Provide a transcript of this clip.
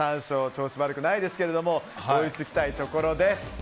調子悪くないですが追いつきたいところです。